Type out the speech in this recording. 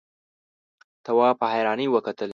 تواب په حيرانۍ وکتل.